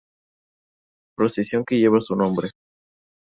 Procesión que lleva su nombre.